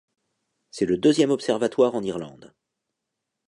C'est le deuxième observatoire en Irlande.